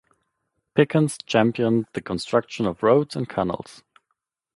Pickens championed the construction of roads and canals.